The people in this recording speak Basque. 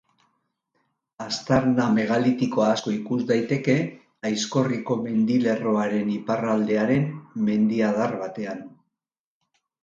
Aztarna megalitiko asko ikus daiteke Aizkorriko mendilerroaren iparraldearen mendi-adar batean.